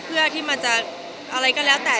เพื่อที่มันจะอะไรก็แล้วแต่